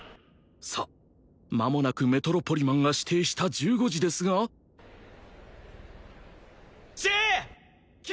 さあまもなくメトロポリマンが指定した１５時ですが１０９！